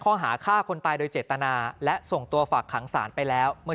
ข้อหาฆ่าคนตายโดยเจตนาและส่งตัวฝากขังศาลไปแล้วเมื่อ